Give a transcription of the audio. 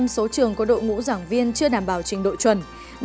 bốn mươi ba số trường có đội ngũ giảng viên chưa đảm bảo trình độ chuẩn